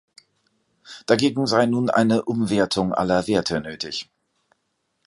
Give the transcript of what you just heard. Dagegen sei nun eine „Umwertung aller Werte“ nötig.